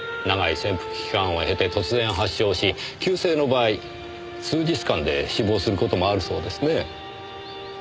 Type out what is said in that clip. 長い潜伏期間を経て突然発症し急性の場合数日間で死亡する事もあるそうですねえ。